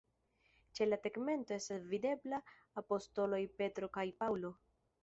Ĉe la tegmento estas videbla apostoloj Petro kaj Paŭlo.